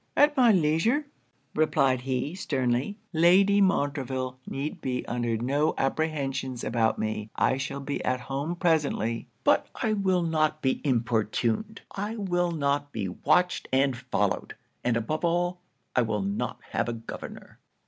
'At my leisure,' replied he, sternly 'Lady Montreville need be under no apprehensions about me. I shall be at home presently. But I will not be importuned! I will not be watched and followed! and above all, I will not have a governor!'